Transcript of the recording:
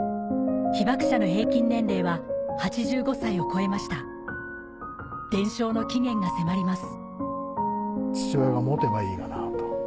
被爆者の平均年齢は８５歳を超えました伝承の期限が迫ります